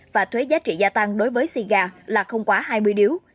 và thuế giá trị gia tăng đối với xì gà là không quá hai mươi điếu